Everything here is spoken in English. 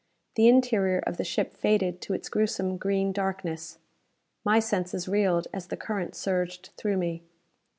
The interior of the ship faded to its gruesome green darkness. My senses reeled as the current surged through me.